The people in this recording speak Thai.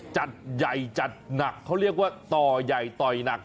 จัดใหญ่จัดหนักเขาเรียกว่าต่อใหญ่ต่อยหนัก